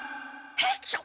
ハクション！